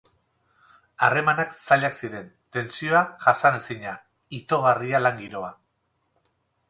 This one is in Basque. Harremanak zailak ziren, tentsioa jasanezina, itogarria lan giroa.